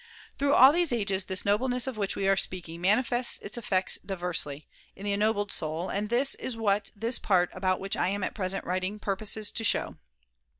Through all these ages this nobleness of which we are speaking manifests its effects diversely [^8oj in the ennobled soul ; and this is what this part about which I am at present writing purposes to show.